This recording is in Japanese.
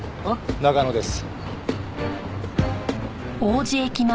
長野です。